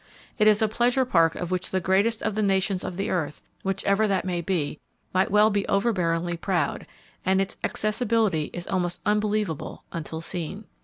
It is a pleasure park of which the greatest of the nations of the earth,—whichever that may be,—might well be overbearingly proud; and its accessibility is almost unbelievable until seen.